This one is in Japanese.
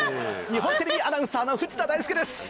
日本テレビアナウンサーの藤田大介です！